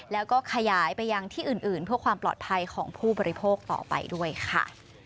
แล้วก็ขยายไปยังที่อื่นเพื่อความปลอดภัยของผู้บริโภคต่อไปด้วยค่ะ